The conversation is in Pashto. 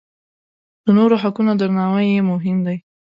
د نورو حقونه درناوی یې مهم دی.